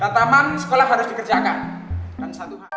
dan taman sekolah harus dikerjakan